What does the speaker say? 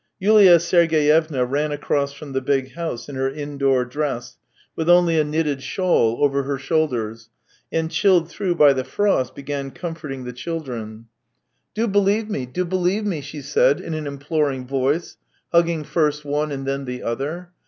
Yulia Sergeyevna ran across from the big house in her indoor dress, with only a knitted 248 THE TALES OF TCHEHOV shawl over her shovilders, and chilled through by the frost, began comforting the children. " Do believe me, do believe me," she said in an imploring voice, hugging first one and then the other.